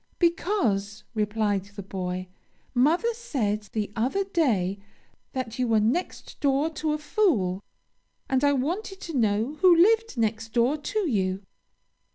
'Because,' replied the boy, 'mother said the other day, that you were next door to a fool; and I wanted to know who lived next door to you.'"